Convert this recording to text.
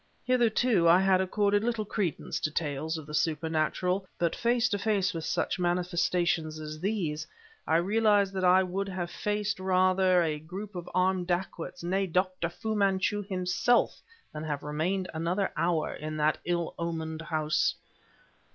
Hitherto, I had accorded little credence to tales of the supernatural, but face to face with such manifestations as these, I realized that I would have faced rather a group of armed dacoits, nay! Dr. Fu Manchu himself, than have remained another hour in that ill omened house.